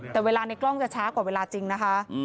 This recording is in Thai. แต่เวลาในกล้องจะช้ากว่าเวลาจริงนะคะ